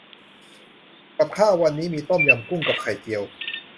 กับข้าววันนี้มีต้มยำกุ้ง กับไข่เจียว